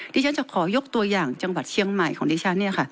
ที่ฉันจะขอยกตัวอย่างจังหวัดเชียงใหม่ของดิฉัน